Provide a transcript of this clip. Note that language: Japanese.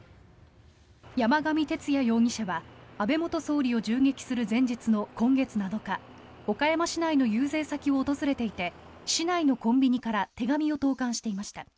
山上徹也容疑者は安倍元総理を銃撃する前日の今月７日岡山市内の遊説先を訪れていて市内のコンビニから手紙を投函していました。